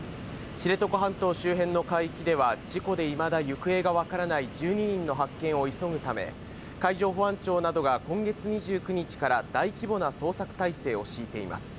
知床半島周辺の海域では事故でいまだ行方がわからない１２人の発見を急ぐため、海上保安庁などが今月２９日から大規模な捜索態勢をしいています。